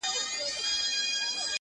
معلومه نه ده چي بوډا ته یې دی غوږ نیولی-